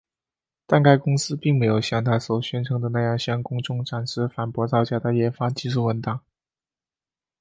但该公司并没有像它所宣称的那样向公众展示反驳造假的研发技术文档。